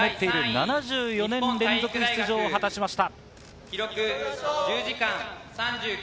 ７４年連続出場を果たしました。